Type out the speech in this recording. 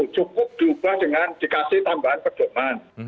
cukup diubah dengan diberikan tambahan perdoman